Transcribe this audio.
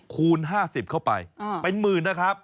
คูณ๕๐เข้าไปเป็นหมื่นนะครับ